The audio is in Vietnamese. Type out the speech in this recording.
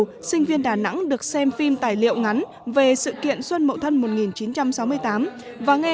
học sinh viên đà nẵng được xem phim tài liệu ngắn về sự kiện xuân mậu thân một nghìn chín trăm sáu mươi tám và nghe